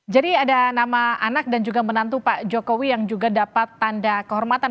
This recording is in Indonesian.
jadi ada nama anak dan juga menantu pak jokowi yang juga dapat tanda kehormatan